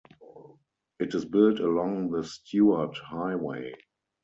It is built along the Stuart Highway.